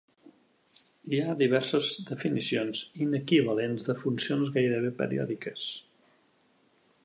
Hi ha diverses definicions inequivalents de funcions gairebé periòdiques.